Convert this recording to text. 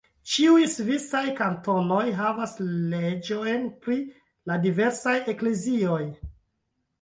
Ĉiuj svisaj kantonoj havas leĝojn pri la diversaj eklezioj.